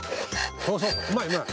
そうそううまいうまい。